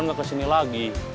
nggak bisa disini lagi